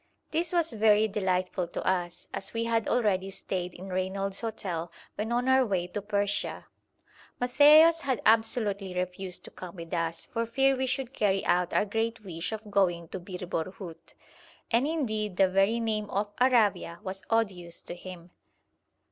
This was very delightful to us, as we had already stayed in Reynolds's Hotel when on our way to Persia. Matthaios had absolutely refused to come with us for fear we should carry out our great wish of going to Bir Borhut, and indeed the very name of 'Aravia' was odious to him.